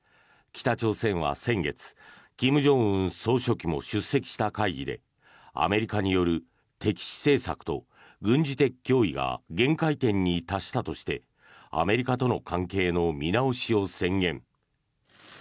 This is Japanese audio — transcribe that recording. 北朝鮮は先月金正恩総書記も出席した会議でアメリカによる敵視政策と軍事的脅威が限界点に達したとしてアメリカとの関係の見直しを宣言。